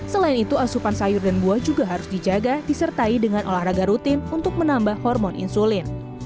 selain itu asupan sayur dan buah juga harus dijaga disertai dengan olahraga rutin untuk menambah hormon insulin